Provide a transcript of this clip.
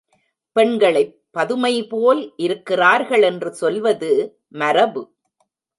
பெண்களைப் பதுமைபோல இருக்கிறார்கள் என்று சொல்வது மரபு.